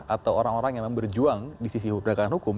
atau orang orang yang berjuang di sisi pergerakan hukum